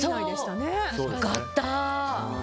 よかった！